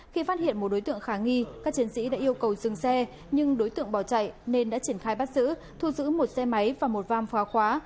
khi phát hiện một đối tượng khả nghi các chiến sĩ đã yêu cầu dừng xe nhưng đối tượng bỏ chạy nên đã triển khai bắt giữ thu giữ một xe máy và một vam phá khóa